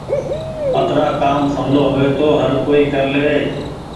اترآ ڪآم سولو هووي تو هر ڪو ڪر ليوي۔